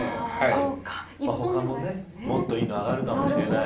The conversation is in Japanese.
他にも、もっといいのがあがるかもしれない。